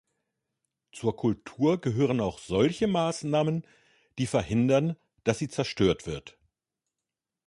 Zur Kultur gehören auch solche Maßnahmen, die verhindern, dass sie zerstört wird.